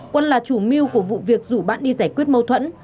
quân là chủ mưu của vụ việc rủ bạn đi giải quyết mâu thuẫn